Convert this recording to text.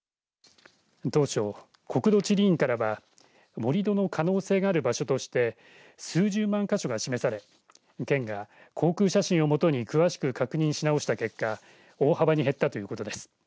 当初、国土地理院からは盛り土の可能性がある場所として数十万か所が示され県が航空写真をもとに詳しく確認し直した結果大幅に減ったということです。